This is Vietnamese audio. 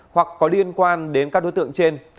hoặc có liên quan đến các đối tượng trên